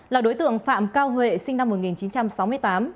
là đối tượng phạm cao huệ sinh năm một nghìn chín trăm sáu mươi tám